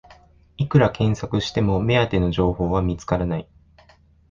いくら検索しても目当ての情報は見つからない